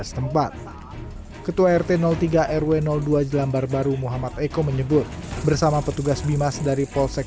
setempat ketua rt tiga rw dua jelambar baru muhammad eko menyebut bersama petugas bimas dari polsek